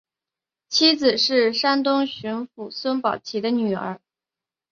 妻子是山东巡抚孙宝琦的女儿。